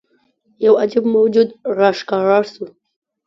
یوه عجيب موجود راښکاره شو.